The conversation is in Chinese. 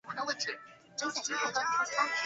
厄维勒人口变化图示